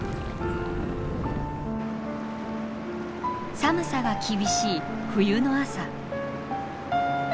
寒さが厳しい冬の朝。